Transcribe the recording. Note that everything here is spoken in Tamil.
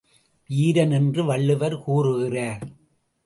வீரன் என்று வள்ளுவர் கூறுகிறார்.